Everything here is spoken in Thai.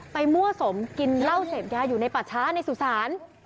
มั่วสุมกินเหล้าเสพยาอยู่ในป่าช้าในสุสาน